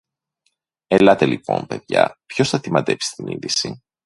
Ελάτε λοιπόν, παιδιά, ποιος θα τη μαντέψει την είδηση;